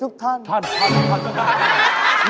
อาหารการกิน